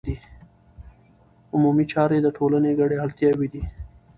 عمومي چارې د ټولنې ګډې اړتیاوې دي.